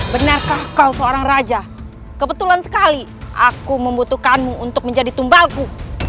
benarkah kau seorang raja kebetulan sekali aku membutuhkanmu untuk menjadi tumbalku